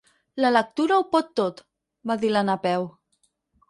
La lectura ho pot tot —va dir la Napeu—.